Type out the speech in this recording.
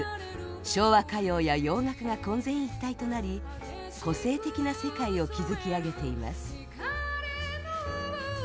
昭和歌謡や洋楽が混然一体となり個性的な世界を築き上げています。